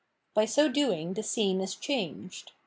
By so doing the scene is changed.